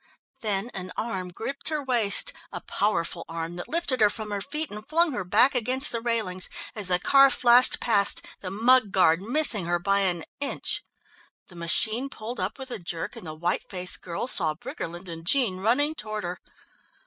Then an arm gripped her waist, a powerful arm that lifted her from her feet and flung her back against the railings, as the car flashed past, the mud guard missing her by an inch. The machine pulled up with a jerk, and the white faced girl saw Briggerland and Jean running toward her.